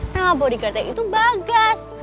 nama bodyguardnya itu bagas